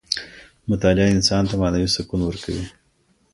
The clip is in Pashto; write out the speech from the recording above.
مطالعه انسان ته معنوي سکون ورکوي.